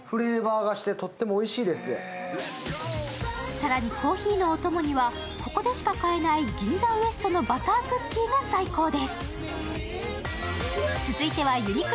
更にコーヒーのお供には、ここでしか買えない銀座ウエストのバタークッキーが最高です。